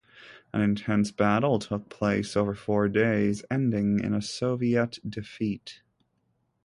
An intense battle took place over four days, ending in a Soviet defeat.